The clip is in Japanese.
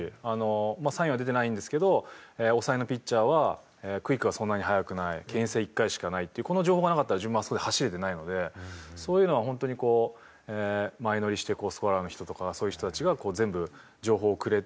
サインは出てないんですけど抑えのピッチャーはクイックはそんなに速くない牽制１回しかないっていうこの情報がなかったら自分はあそこで走れてないのでそういうのは本当にこう前乗りしてスコアラーの人とかそういう人たちが全部情報をくれて。